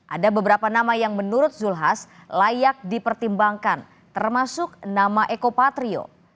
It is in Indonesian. ada beberapa nama yang menurut zulkifli hasan layak dipertimbangkan termasuk nama eko patrio